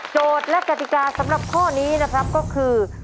และกติกาสำหรับข้อนี้นะครับก็คือ